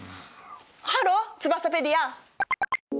ハローツバサペディア。